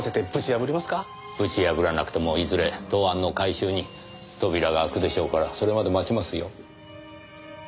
ぶち破らなくともいずれ答案の回収に扉が開くでしょうからそれまで待ちますよ。